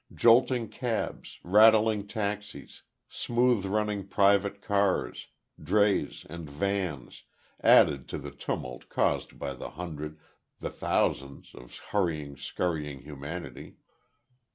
Jolting cabs, rattling taxis, smooth running private cars, drays and vans, added to the tumult caused by the hundred the thousands of hurrying, scurrying humanity.